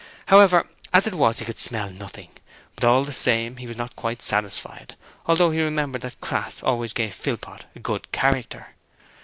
However, as it was he could smell nothing but all the same he was not quite satisfied, although he remembered that Crass always gave Philpot a good character.